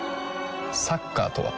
サッカーとは？